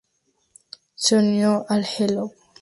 Se unió al Hello!